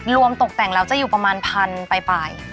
รวมตกแต่งแล้วจะอยู่ประมาณพันปลาย